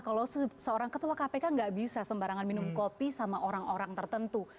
kalau seorang ketua kpk nggak bisa sembarangan minum kopi sama orang orang tertentu